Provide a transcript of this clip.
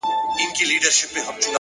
زړورتیا د وېرو ماتولو نوم دی!